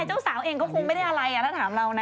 เจ้าสาวเองก็คงไม่ได้อะไรถ้าถามเรานะ